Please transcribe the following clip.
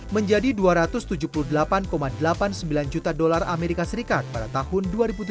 menjadi dua ratus tujuh puluh delapan delapan puluh sembilan juta dolar as pada tahun dua ribu tujuh belas